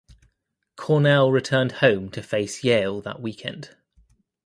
Cornell returned home to face Yale that weekend.